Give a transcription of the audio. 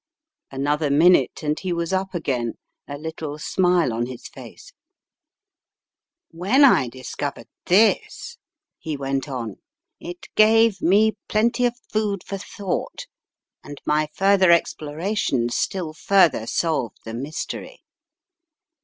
Another minute and he was up again, a little smile on his face. An Unexpected Contretemps 285 "When I discovered this," he went on, "it gave me plenty of food for thought and my further explora' tions still further solved the mystery.